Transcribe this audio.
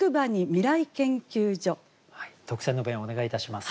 特選の弁お願いいたします。